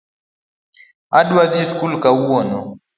Adwa dhii sikul kawuono